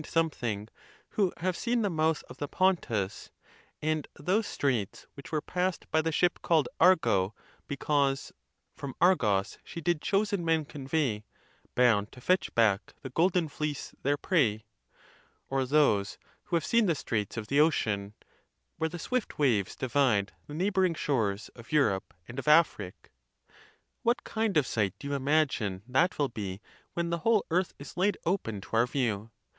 29 ed something who have seen the mouth of the Pontus, and those straits which were passed by the ship called Argo, because, From Argos she did chosen men convey, Bound to fetch back the Golden Fleece, their prey ; or those who have seen the straits of the ocean, Where the swift waves divide the neighboring shores Of Europe, and of Afric; what kind of sight do you imagine that will be when the whole earth is laid open to our view?